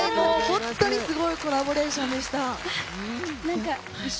本当にすごいコラボレーションでした。